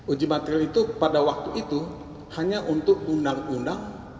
uji material itu pada waktu itu hanya untuk undang undang